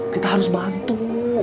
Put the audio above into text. kita harus bantu